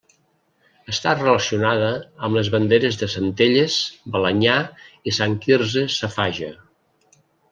Està relacionada amb les banderes de Centelles, Balenyà i Sant Quirze Safaja.